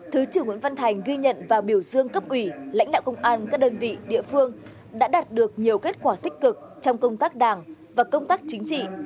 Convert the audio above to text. thứ trưởng nguyễn văn thành ghi nhận và biểu dương cấp ủy lãnh đạo công an các đơn vị địa phương đã đạt được nhiều kết quả tích cực trong công tác đảng và công tác chính trị